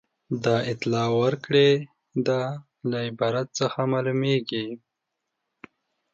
د اطلاع ورکړې ده له عبارت څخه معلومیږي.